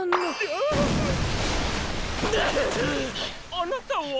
あなたは。